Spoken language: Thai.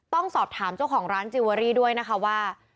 ต้องสอบถามเจ้าของร้านจิลเวอรี่ด้วยนะคะว่า